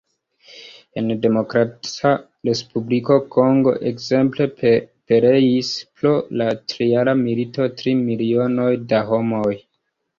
En Demokrata Respubliko Kongo, ekzemple, pereis pro la trijara milito tri milionoj da homoj.